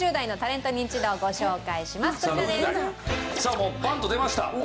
もうバンと出ました。